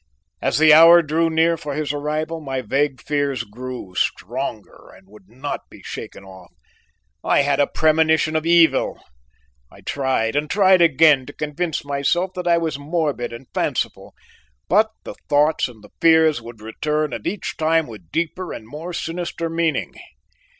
As the hour drew near for his arrival my vague fears grew stronger and would not be shaken off. I had a premonition of evil I tried and tried again to convince myself that I was morbid and fanciful, but the thoughts and the fears would return and each time with deeper and more sinister meaning.